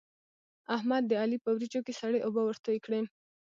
احمد د علي په وريجو کې سړې اوبه ورتوی کړې.